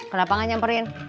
kenapa gak nyamperin